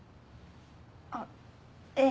あっええ。